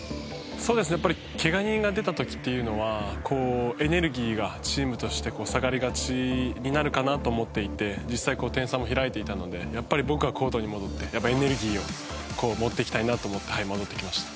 やっぱり、けが人が出てきた時っていうのはエネルギーがチームとして下がりがちになるかなと思っていて実際、点差も開いていたのでやっぱりコートに戻ってエネルギーを持っていきたいなと思って、戻ってきました。